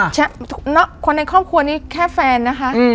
ใช่คนในครอบครัวนี้แค่แฟนนะคะ